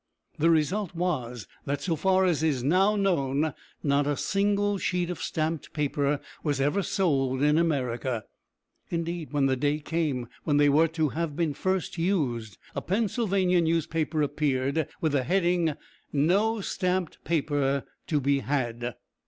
The result was that, so far as is now known, not a single sheet of stamped paper was ever sold in America. Indeed, when the day came when they were to have been first used, a Pennsylvania newspaper appeared with the heading, "No stamped paper to be had."